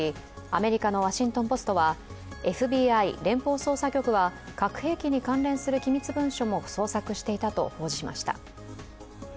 アメリカの「ワシントン・ポスト」はＦＢＩ＝連邦捜査局は核兵器に関連する機密文書も捜索していたと報じました。